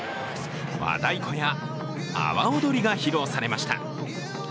和太鼓や阿波おどりが披露されました。